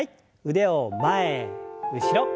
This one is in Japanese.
腕を前後ろ。